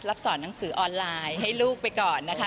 สอนหนังสือออนไลน์ให้ลูกไปก่อนนะคะ